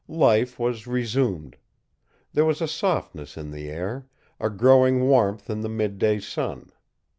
Life was resumed. There was a softness in the air, a growing warmth in the midday sun.